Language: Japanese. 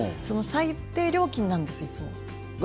最低料金なんですよ、いつも。